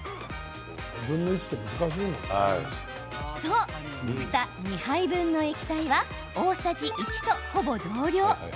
そう、ふた２杯分の液体は大さじ１とほぼ同量。